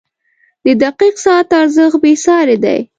• د دقیق ساعت ارزښت بېساری دی.